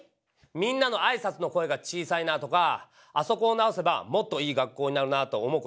「みんなのあいさつの声が小さいな」とか「あそこを直せばもっといい学校になるな」と思うことあるだろ？